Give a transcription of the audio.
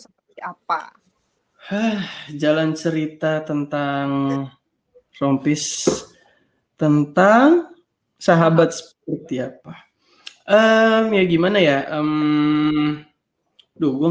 apa hah jalan cerita tentang rompis tentang sahabat seperti apa eh gimana ya em dukung